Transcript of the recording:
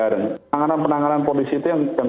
penanganan penanganan polisi itu yang